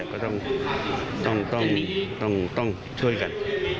ก็ต้องช่วยกัน